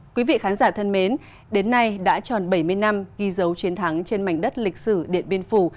quý vị khán giả thân mến đến nay đã tròn bảy mươi năm ghi dấu chiến thắng trên mảnh đất lịch sử điện biên phủ